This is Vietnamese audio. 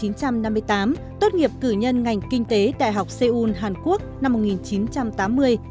đại sứ lee hiếc sinh ngày tám tháng hai năm một nghìn chín trăm năm mươi tám tốt nghiệp cử nhân ngành kinh tế đại học seoul hàn quốc năm một nghìn chín trăm tám mươi